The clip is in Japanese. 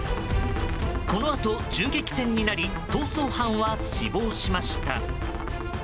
このあと、銃撃戦になり逃走犯は死亡しました。